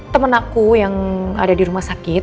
temen aku yang ada di rumah sakit